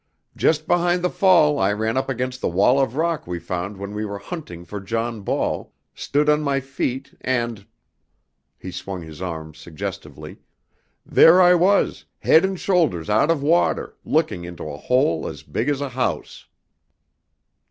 "Just behind the fall I ran up against the wall of rock we found when we were hunting for John Ball, stood on my feet, and " he swung his arms suggestively "there I was, head and shoulders out of water, looking into a hole as big as a house!"